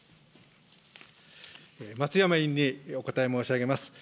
松山委員にお答え申し上げます。